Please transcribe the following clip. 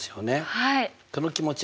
はい。